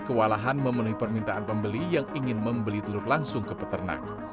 kewalahan memenuhi permintaan pembeli yang ingin membeli telur langsung ke peternak